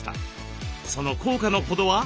その効果のほどは？